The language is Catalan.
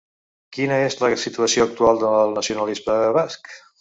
Quina és la situació actual del nacionalisme basc?